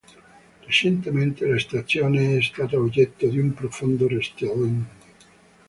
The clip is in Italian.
Recentemente la stazione è stata oggetto di un profondo restyling.